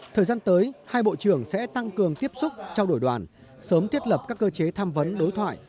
thời gian tới hai bộ trưởng sẽ tăng cường tiếp xúc trao đổi đoàn sớm thiết lập các cơ chế tham vấn đối thoại